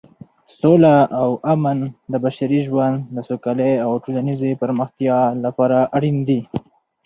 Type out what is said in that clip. سوله او امن د بشري ژوند د سوکالۍ او ټولنیزې پرمختیا لپاره اړین دي.